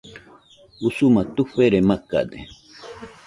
Usuma tufere macade